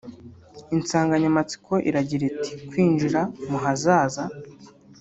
Insanganyamatsiko iragira iti “Kwinjira mu Hazaza